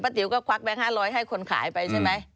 ติ๋วก็ควักแก๊ง๕๐๐ให้คนขายไปใช่ไหม